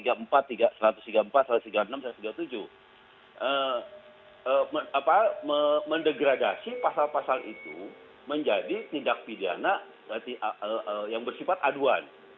apa mendegradasi pasal pasal itu menjadi tindak pidana yang bersifat aduan